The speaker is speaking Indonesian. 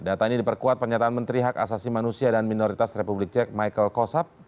data ini diperkuat pernyataan menteri hak asasi manusia dan minoritas republik jack michael kosap